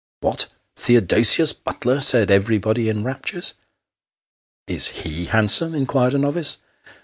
" What ! Theodosius Butler ?" said everybody in raptures. " Is Tie handsome ?" inquired a novice.